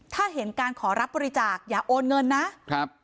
ถ้าเห็นการขอรับบริจาคอย่าโอนเงินนะครับ